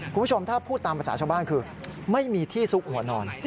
คุณผู้ชมถ้าพูดตามภาษาชาวบ้านคือไม่มีที่ซุกหัวนอน